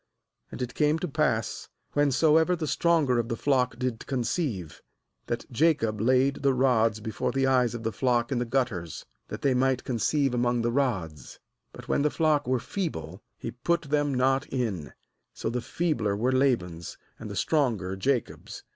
4lAnd it came to pass, whensoever the stronger of the flock did conceive, that Jacob laid the rods before the eyes of the flock in the gutters, that they might conceive among the rods; when the flock were feeble, he put them, not in; so the feebler were Laban's, and the stronger Jacob's.